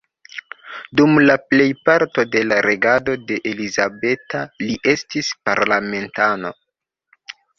Dum la plejparto de la regado de Elizabeta li estis parlamentano.